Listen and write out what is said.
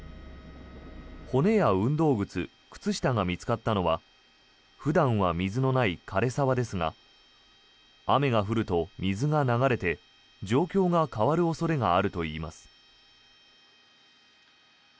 骨や運動靴、靴下が見つかったのは普段は水のない枯れ沢ですが雨が降ると水が流れて状況が変わる恐れがあるといいます。